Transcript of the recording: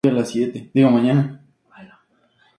Siendo totalmente anaranjadas en la celda costal.